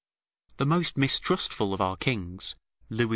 The most mistrustful of our kings [ Louis XI.